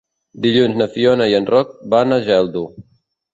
Dilluns na Fiona i en Roc van a Geldo.